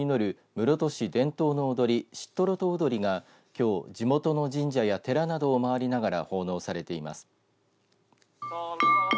室戸市伝統の踊りシットロト踊りがきょう地元の神社や寺などを回りながら奉納されています。